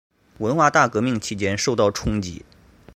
文化大革命期间受到冲击。